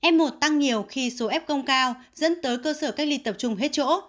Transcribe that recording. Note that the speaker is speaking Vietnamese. f một tăng nhiều khi số f công cao dẫn tới cơ sở cách ly tập trung hết chỗ